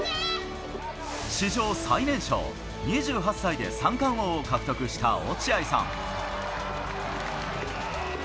史上最年少２８歳で三冠王を獲得した落合さん。